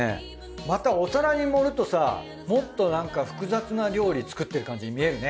またお皿に盛るとさもっとなんか複雑な料理作ってる感じに見えるね。